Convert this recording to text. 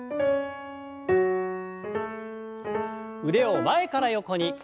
腕を前から横に。